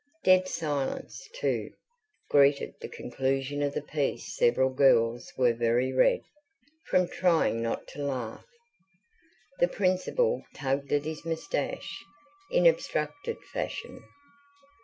Dead silence, too, greeted the conclusion of the piece Several girls were very red, from trying not to laugh. The Principal tugged at his moustache, in abstracted fashion.